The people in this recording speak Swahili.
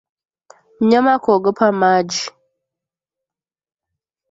Mnyama kuogopa maji